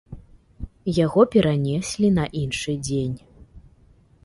Яго перанеслі на іншы дзень.